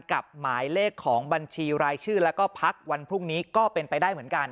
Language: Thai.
หมายเลขของบัญชีรายชื่อแล้วก็พักวันพรุ่งนี้ก็เป็นไปได้เหมือนกัน